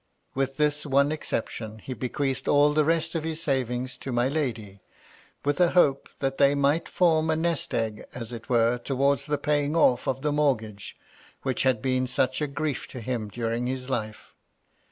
With this one exception, he bequeathed all the rest of his savings to my lady, with a hope that they might form a nest egg, as it were, towards the paying off of the mortgage which had been such a grief to him during his life.